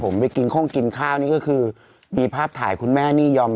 ผมไปกินโค้งกินข้าวนี่ก็คือมีภาพถ่ายคุณแม่นี่ยอม